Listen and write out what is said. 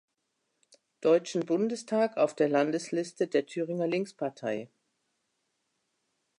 Deutschen Bundestag auf der Landesliste der Thüringer Linkspartei.